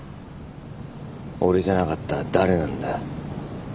俺じゃなかったら誰なんだよ。